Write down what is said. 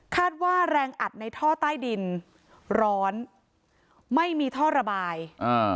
ว่าแรงอัดในท่อใต้ดินร้อนไม่มีท่อระบายอ่า